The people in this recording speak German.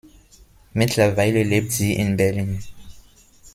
Mittlerweile lebt sie in Berlin.